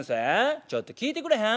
ちょっと聞いてくれへん？」。